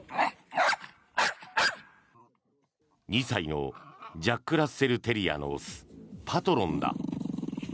２歳のジャックラッセルテリアの雄パトロンだ。